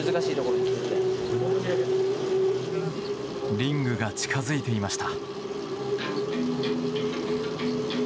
リングが近づいていました。